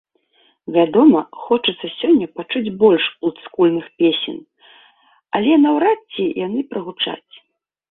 Вядома, хочацца сёння пачуць больш олдскульных песень, але наўрад ці яны прагучаць.